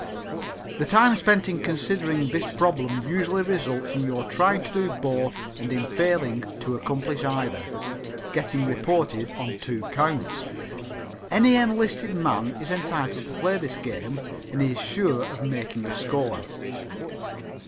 The time spent in considering this problem usually results in your trying to do both and in failing to accomplish either, getting reported on two counts. Any enlisted man is entitled to play this game and he is sure of making a score.